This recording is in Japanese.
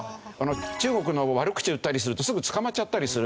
中国の悪口を言ったりするとすぐ捕まっちゃったりする。